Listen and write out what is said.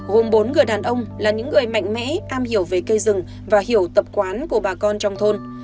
gồm bốn người đàn ông là những người mạnh mẽ am hiểu về cây rừng và hiểu tập quán của bà con trong thôn